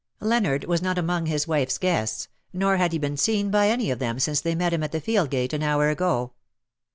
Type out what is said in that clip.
Leonard was not among his wife^s guests— nor had he been seen by any of them since they met him at the field gate, an hour ago.